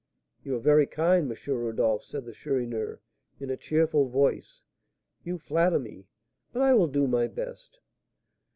"You are very kind, M. Rodolph," said the Chourineur, in a cheerful voice; "you flatter me, but I will do my best."